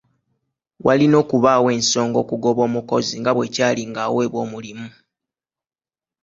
Walina okubaawo ensonga okugoba omukozi nga bwe kyali nga aweebwa omulimu.